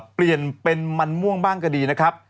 เปลี่ยนเป็นมันม่วงบ้างก็ดีนะครับ